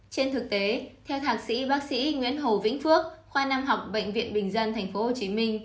trên thực tế theo thạc sĩ bác sĩ nguyễn hồ vĩnh phước khoa năm học bệnh viện bình dân tp hcm